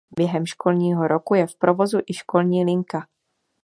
Během školního roku je v provozu i školní linka.